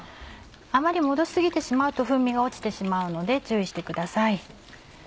あまり戻し過ぎてしまうと風味が落ちてしまうので注意してください。